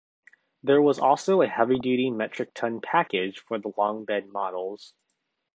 There was also a heavy duty Metric Ton package for the long-bed models.